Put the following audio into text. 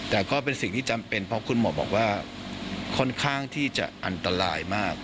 แต่ก็เป็นสิ่งที่จำเป็นเพราะคุณหมอบอกว่าค่อนข้างที่จะอันตรายมาก